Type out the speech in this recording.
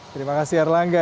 terima kasih erlangga